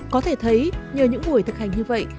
có thể thấy nhờ những buổi thực hành như vậy